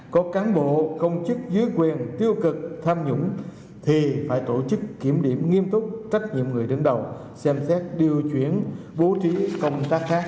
có cán bộ công chức dưới quyền tiêu cực tham nhũng thì phải tổ chức kiểm điểm nghiêm túc trách nhiệm người đứng đầu xem xét điều chuyển bố trí công tác khác